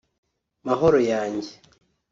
Mahoro yanjye